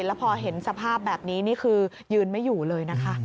แล้วพอเห็นสภาพแบบนี้นี่คือยืนไม่อยู่เลยนะคะ